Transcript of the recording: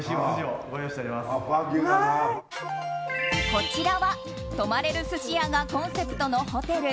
こちらは、泊まれる鮨屋がコンセプトのホテル。